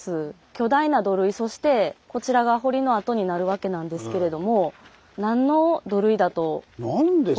巨大な土塁そしてこちらが堀の跡になるわけなんですけれども何ですかね？